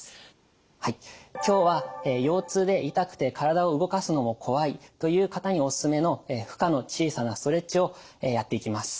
今日は腰痛で痛くて体を動かすのも怖いという方におすすめの負荷の小さなストレッチをやっていきます。